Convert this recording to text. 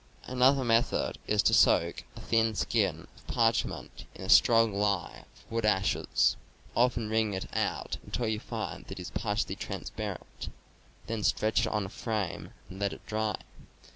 Another method is to soak a thin skin of parchment in a strong lye of wood ashes, often wringing it out, until you find that it is partly transparent; then stretch it on a frame and let it dry.